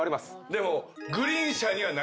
でも。